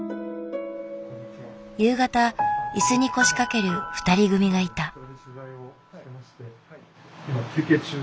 夕方椅子に腰掛ける２人組がいた。